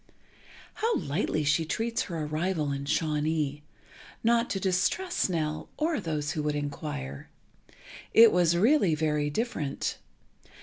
How lightly she treats her arrival in Shawnee—not to distress Nell, or those who would inquire. It was really very different.